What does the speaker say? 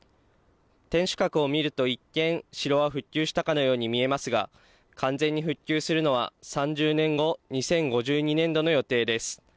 天守閣を見ると、一見、城は復旧したかのように見えますが、完全に復旧するのは３０年後、２０５２年度の予定です。